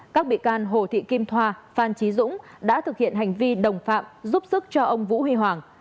các bị can hồ thị kim thoa phan trí dũng đã thực hiện hành vi đồng phạm giúp sức cho ông vũ huy hoàng